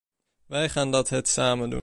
Wij gaan dat het samen doen.